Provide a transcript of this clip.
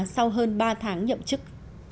sau hơn ba tháng nhậm chức